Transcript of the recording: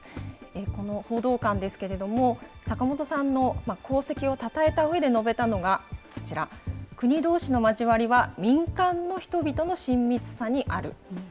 この報道官ですけれども、坂本さんの功績をたたえたうえで述べたのが、こちら、国どうしの交わりは民間の人々の親密さにある。